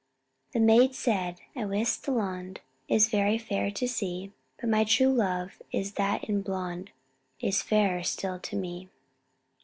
The maiden said, I wis the londe Is very fair to see, But my true love that is in bonde Is fairer still to me.